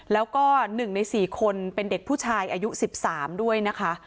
แล้วก็๑ใน๔คนเป็นเด็กผู้ชายอายุ๑๓ด้วยนะคะ